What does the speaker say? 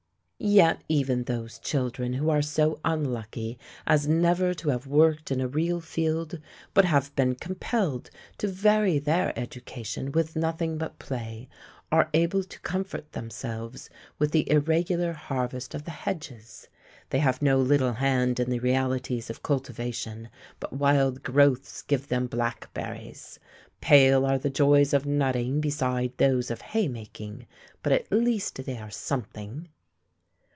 Yet even those children who are so unlucky as never to have worked in a real field, but have been compelled to vary their education with nothing but play, are able to comfort themselves with the irregular harvest of the hedges. They have no little hand in the realities of cultivation, but wild growths give them blackberries. Pale are the joys of nutting beside those of haymaking, but at least they are something.